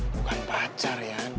bukan pacar yan